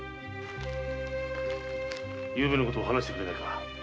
ゆうべのことを話してくれ。